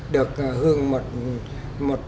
được hướng một